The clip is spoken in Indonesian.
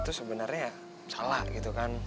itu sebenarnya salah gitu kan